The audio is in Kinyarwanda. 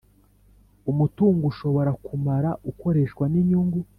Umutungo ushobora kumara ukoreshwa n inyungu